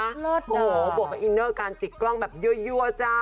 โหวปกกมินเนอร์การจิดกล้องแบบเยื่อจ้ะ